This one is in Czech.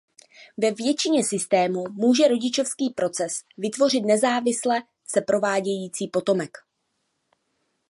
Ve většině systémů může rodičovský proces vytvořit nezávisle se provádějící potomek.